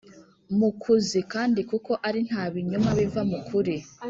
mukuzi kandi kuko ari nta binyoma biva mu kuri